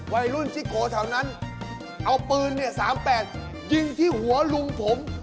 วัยรุ่นซิโกแถวนั้นเอาปืน๓๘ยิงที่หัวลุงผม